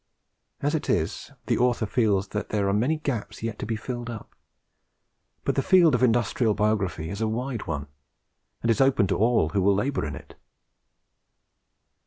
As it is, the Author feels that there are many gaps yet to be filled up; but the field of Industrial Biography is a wide one, and is open to all who will labour in it.